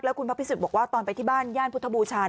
คุณพระพิสุทธิ์บอกว่าตอนไปที่บ้านย่านพุทธบูชา